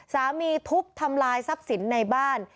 ทุบทำลายทรัพย์สินในบ้าน